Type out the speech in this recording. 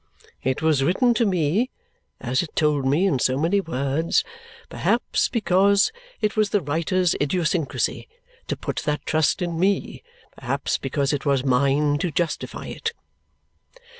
It was written to me (as it told me in so many words), perhaps because it was the writer's idiosyncrasy to put that trust in me, perhaps because it was mine to justify it.